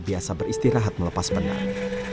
biasa beristirahat melepas penang